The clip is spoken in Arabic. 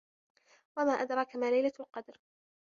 وَما أَدراكَ ما لَيلَةُ القَدرِ